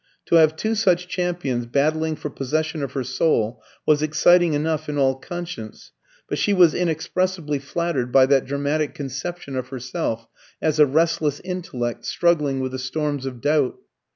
To have two such champions battling for possession of her soul was exciting enough in all conscience, but she was inexpressibly flattered by that dramatic conception of herself as a restless intellect struggling with the storms of doubt.